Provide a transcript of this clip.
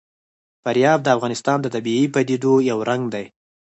فاریاب د افغانستان د طبیعي پدیدو یو رنګ دی.